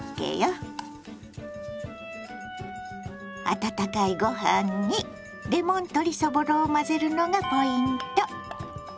温かいご飯にレモン鶏そぼろを混ぜるのがポイント。